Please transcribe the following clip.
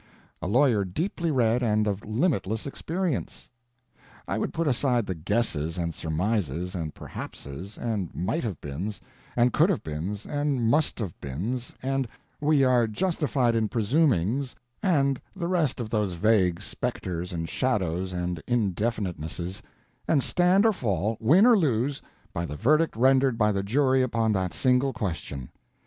_—a lawyer deeply read and of limitless experience? I would put aside the guesses and surmises, and perhapses, and might have beens, and could have beens, and must have beens, and, we are justified in presumings, and the rest of those vague specters and shadows and indefinitenesses, and stand or fall, win or lose, by the verdict rendered by the jury upon that single question.